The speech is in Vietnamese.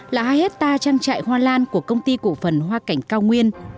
là hai hectare trang trại hoa lan của công ty cổ phần hoa cảnh cao nguyên